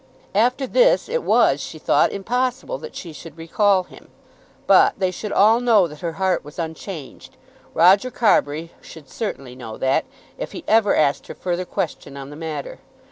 After this it was, she thought, impossible that she should recall him. But they should all know that her heart was unchanged. Roger Carbury should certainly know that, if he ever asked her further question on the matter.